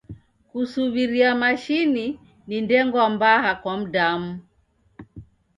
Kusuw'iria mashini ni ndengwa mbaha kwa mdamu.